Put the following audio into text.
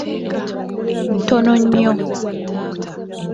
Ntono nnyo.